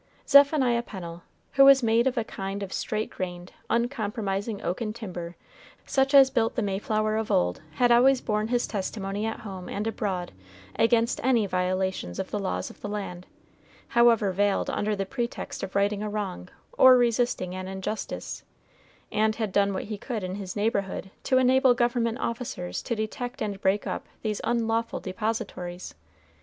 Zephaniah Pennel, who was made of a kind of straight grained, uncompromising oaken timber such as built the Mayflower of old, had always borne his testimony at home and abroad against any violations of the laws of the land, however veiled under the pretext of righting a wrong or resisting an injustice, and had done what he could in his neighborhood to enable government officers to detect and break up these unlawful depositories.